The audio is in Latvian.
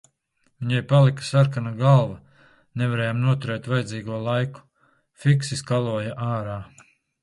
Viņai palika sarkana galva, nevarējām noturēt vajadzīgo laiku. Fiksi skaloja ārā.